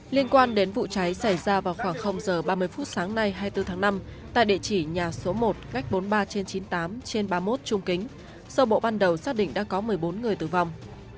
liên quan đến vụ cháy xảy ra vào khoảng h ba mươi phút sáng nay hai mươi bốn tháng năm tại địa chỉ nhà số một cách bốn mươi ba trên chín mươi tám trên ba mươi một trung kính sơ bộ ban đầu xác định đã có một mươi bốn người tử vong